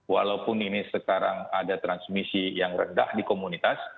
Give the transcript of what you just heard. walaupun ini sekarang ada transmisi yang rendah di komunitas